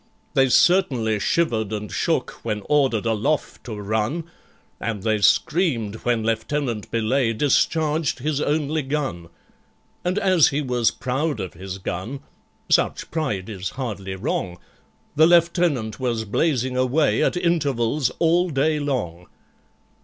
They certainly shivered and shook when ordered aloft to run, And they screamed when LIEUTENANT BELAYE discharged his only gun. And as he was proud of his gun—such pride is hardly wrong— The Lieutenant was blazing away at intervals all day long.